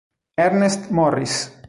Ernest Morris